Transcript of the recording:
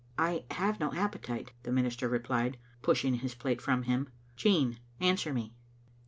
" "I have no appetite," the minister replied, pushing his plate from him. "Jean, answer me."